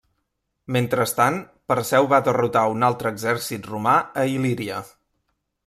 Mentrestant, Perseu va derrotar a un altre exèrcit romà a Il·líria.